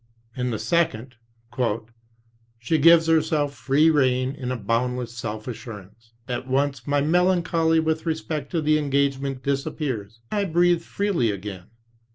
In the second, "she gives herself free rein in a boundless self assurance. At once my melancholy with respect to the engagement disappears, and I breathe freely again.